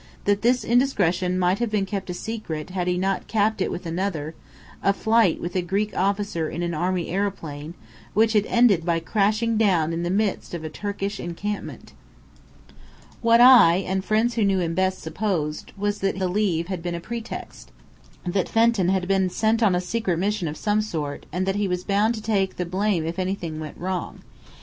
That this indiscretion might have been kept a secret had he not capped it with another: a flight with a Greek officer in an army aeroplane which had ended by crashing down in the midst of a Turkish encampment. What I and friends who knew him best supposed, was that the "leave" had been a pretext that Fenton had been sent on a secret mission of some sort and that he was bound to take the blame if anything went wrong.